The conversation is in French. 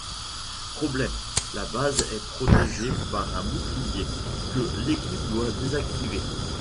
Problème: la base est protégée par un bouclier que l'équipe doit désactiver.